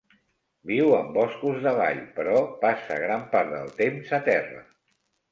Viu en boscos de vall, però passa gran part del temps a terra.